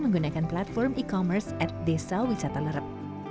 menggunakan platform e commerce at desa wisata lerep